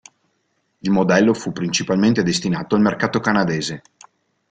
Il modello fu principalmente destinato al mercato canadese.